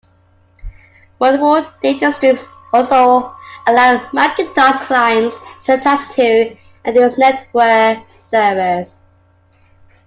Multiple data streams also allow Macintosh clients to attach to and use NetWare servers.